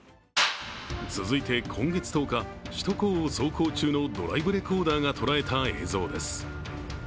続いて、今月１０日、首都高を走行中のドライブレコーダーが捉えた映像です。